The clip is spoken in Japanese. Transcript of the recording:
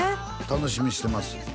楽しみにしてます